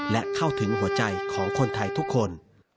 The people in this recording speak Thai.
และเข้าถึงหัวใจของคนไทยทุกคน